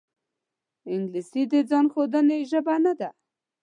انګلیسي د ځان ښودنې ژبه نه ده